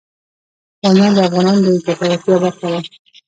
بامیان د افغانانو د ګټورتیا برخه ده.